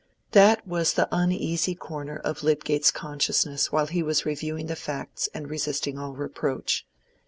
That was the uneasy corner of Lydgate's consciousness while he was reviewing the facts and resisting all reproach.